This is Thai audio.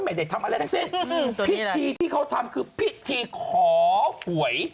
ไม่ได้ทำอะไรทั้งสิ้นพิธีที่เขาทำคือพิธีขอหวย